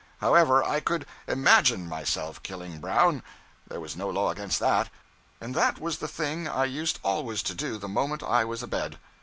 However, I could _imagine _myself killing Brown; there was no law against that; and that was the thing I used always to do the moment I was abed.